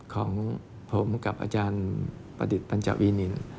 ของผมกับอาจารย์ประดิษฐ์ปัญจวินิน